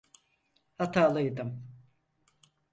Hatalıydım.